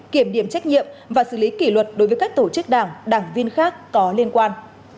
kiểm điểm trách nhiệm và xử lý kỷ luật đối với các tổ chức đảng đảng viên khác có liên quan